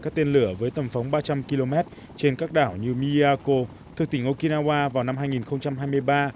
các tên lửa với tầm phóng ba trăm linh km trên các đảo như miyako thuộc tỉnh okinawa vào năm hai nghìn hai mươi ba